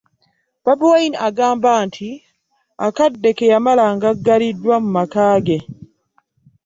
Bobi Wine agamba nti akadde ke yamala ng'aggaliddwa mu maka ge